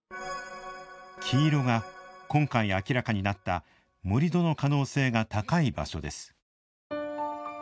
黄色が今回、明らかになった盛土の可能性が高い場所です。